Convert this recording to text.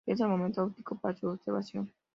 Es el momento óptimo para su observación.